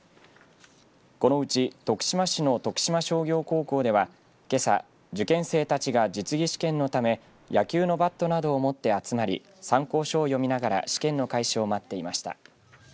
このうち徳島市の徳島商業高校ではけさ、受験生たちが実技試験のため野球のバットなどを持って集まり参考書を読みながら試験の開始を待っていました。